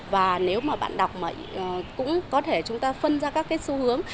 và nếu mà bạn đọc cũng có thể chúng ta phân ra các cái xu hướng